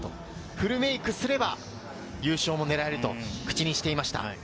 フルメイクすれば優勝も狙えると口にしていました。